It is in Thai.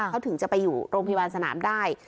เขาถึงจะไปอยู่โรงพยาบาลสนามได้